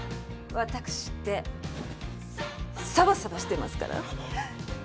ワタクシってサバサバしてますから！